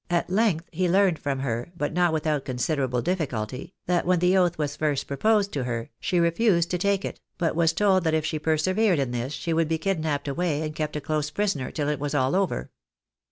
At length he learned from her, but not without considerable difficulty, that when the oath was first proposed to her, she refused to take it, but was told that if she persevered in this, she would be kidnapped away, and kept a close prisoner till all was over.